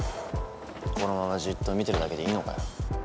このままじっと見てるだけでいいのかよ？